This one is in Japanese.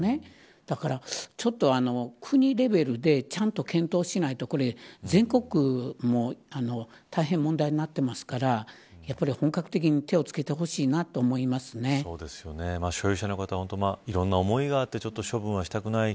だから、国レベルでちゃんと検討しないと全国も大変問題になっていますから本格的に手をつけてほしいな所有者の方いろんな思いがあって処分はしたくない。